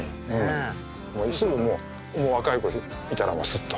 もうすぐもう若い子いたらスッと。